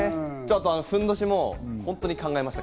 ふんどしも本当に考えました。